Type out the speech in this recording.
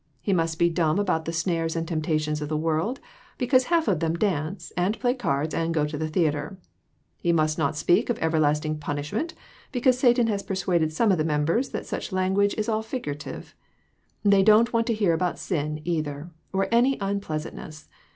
He must be dumb about the snares and temptations of the world, because half of them dance, and play cards, and go to the theatre. He must not speak of everlasting punishment, because Satan has persuaded some of the members that such language is all figurative. They don't want to hear about sin, either ; or any unpleasantness.